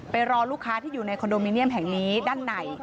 รอลูกค้าที่อยู่ในคอนโดมิเนียมแห่งนี้ด้านใน